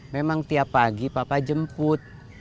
memang tiap pagi papa jemput